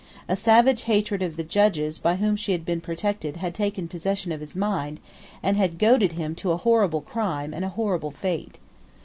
A savage hatred of the judges by whom she had been protected had taken possession of his mind, and had goaded him to a horrible crime and a horrible fate.